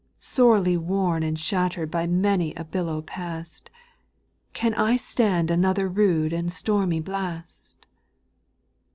Sorely worn and shattered by many a billow past, Can I stand another rude and stormy blast